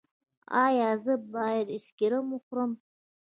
ایا زه باید آیسکریم وخورم؟